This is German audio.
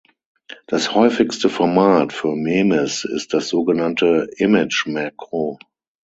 Das häufigste Format für Memes ist das sogenannte „Image Macro“.